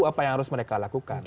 apa yang harus mereka lakukan